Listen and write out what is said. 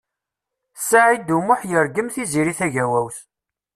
Saɛid U Muḥ yergem Tiziri Tagawawt.